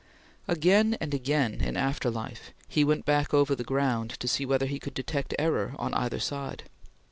Again and again, in after life, he went back over the ground to see whether he could detect error on either side.